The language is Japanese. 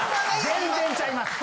全然ちゃいます！